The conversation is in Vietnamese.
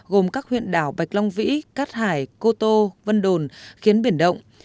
gồm các huyện đảo bạch long vĩ cát hải cô tô vân đồn khiến biển động